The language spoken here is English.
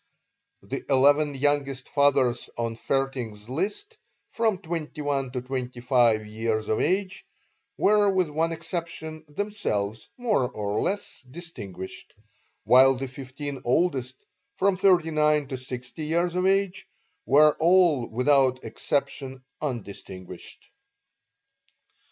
The eleven youngest fathers on Vaerting's list, from twenty one to twenty five years of age, were with one exception themselves more or less distinguished; while the fifteen oldest, from thirty nine to sixty years of age, were all without exception undistinguished.